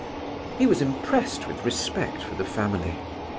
He was impressed with respect for the family.